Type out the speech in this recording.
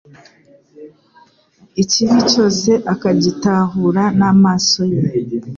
ikibi cyose akagitahura n’amaso ye